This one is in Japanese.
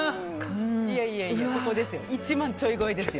いやいや、ここですよ。